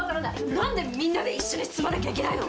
何でみんなで一緒に住まなきゃいけないの？